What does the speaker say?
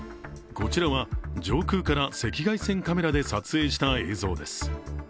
こちらは上空から赤外線カメラで撮影した映像です。